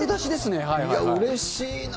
いやうれしいな。